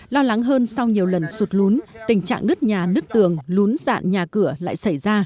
lo lắng hơn sau nhiều lần sụt lún tình trạng nứt nhà nứt tường lún dạn nhà cửa lại xảy ra